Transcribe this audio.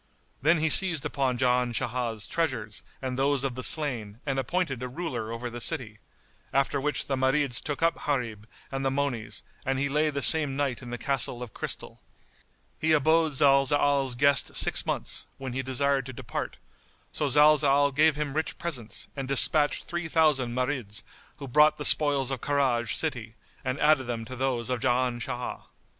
Then he seized upon Jan Shah's treasures and those of the slain and appointed a ruler over the city; after which the Marids took up Gharib and the monies and he lay the same night in the Castle of Crystal. He abode Zalzal's guest six months, when he desired to depart; so Zalzal gave him rich presents and despatched three thousand Marids, who brought the spoils of Karaj city and added them to those of Jan Shah.